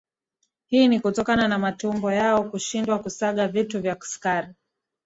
Hii ni kutokana na matumbo yao kushindwa kusaga vitu vya sukari